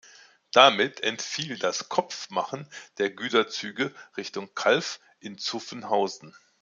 Damit entfiel das Kopfmachen der Güterzüge Richtung Calw in Zuffenhausen.